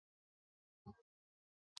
但此段史料的真实性待考。